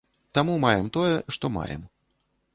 Таму маем тое, што маем.